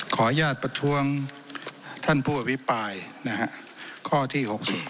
ขออนุญาตประท้วงท่านผู้อภิปรายนะฮะข้อที่๖๔